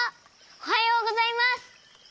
おはようございます。